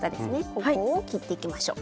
ここを切っていきましょう。